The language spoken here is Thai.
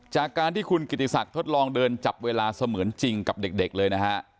จากการที่คุณกิติศักดิ์ทดลองเดินจับเวลาเสมือนจริงกับเด็กเลยนะฮะ